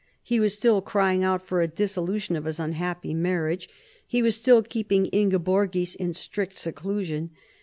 ' He was still crying out for a dissolution of his unhappy marriage. He was still keeping Ingeborgis in strict seclusion.